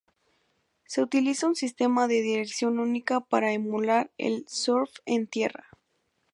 Se utiliza un sistema de dirección única para emular el surf en tierra.